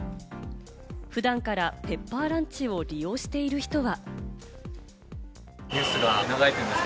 普段からペッパーランチを利用している人は。